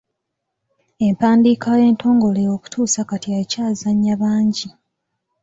Empandiika entongole okutuusa kati ekyazannya bangi.